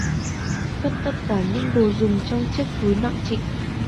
Cất tất cả những đồ dùng vào trong chiếc túi nặng trịch